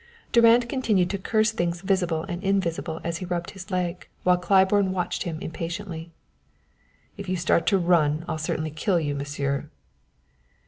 Durand continued to curse things visible and invisible as he rubbed his leg, while Claiborne watched him impatiently. "If you start to run I'll certainly kill you, Monsieur."